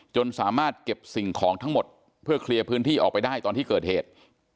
จนสามารถเก็บสิ่งของทั้งหมดเพื่อเคลียร์พื้นที่ออกไปได้ตอนที่เกิดเหตุ